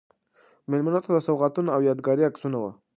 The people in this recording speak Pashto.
میلمنو ته سوغاتونه او یادګاري عکسونه و.